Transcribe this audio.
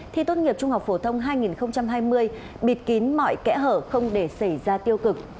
thi tốt nghiệp trung học phổ thông hai nghìn hai mươi bịt kín mọi kẽ hở không để xảy ra tiêu cực